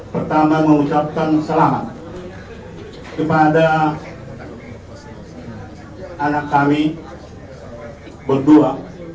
pertama mengucapkan selamat kepada anak kami berdua